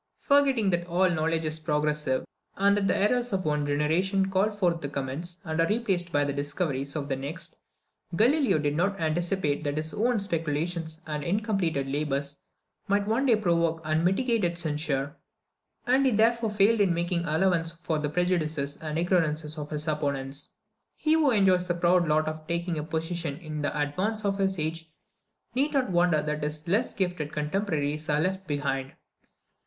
Forgetting that all knowledge is progressive, and that the errors of one generation call forth the comments, and are replaced by the discoveries, of the next, Galileo did not anticipate that his own speculations and incompleted labours might one day provoke unmitigated censure; and he therefore failed in making allowance for the prejudices and ignorance of his opponents. He who enjoys the proud lot of taking a position in advance of his age, need not wonder that his less gifted contemporaries are left behind.